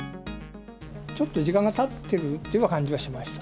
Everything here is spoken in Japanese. ちょっと時間がたっているというような感じはしました。